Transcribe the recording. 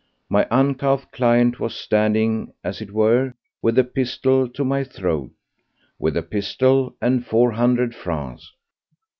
My uncouth client was standing, as it were, with a pistol to my throat—with a pistol and four hundred francs!